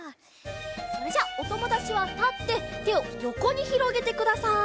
それじゃおともだちはたっててをよこにひろげてください。